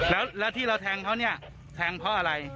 แล้วที่เราแทงเขาเนี่ยแทงเพราะอะไร